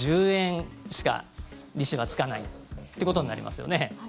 １０円しか利子がつかないということになりますよね。